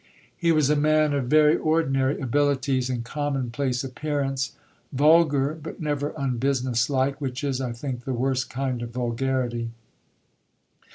He was a man of very ordinary abilities and commonplace appearance vulgar, but never unbusiness like, which is, I think, the worst kind of vulgarity.